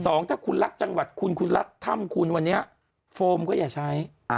สองถ้าคุณรักจังหวัดคุณคุณรักถ้ำคุณวันนี้โฟมก็อย่าใช้